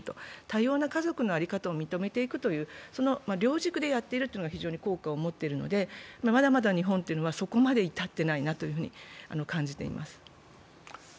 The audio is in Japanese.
多様な家族の在り方を認めていくという、その両軸でやっているのが非常に効果を持っているのでまだまだ日本はそこまで至っていないなと感じています。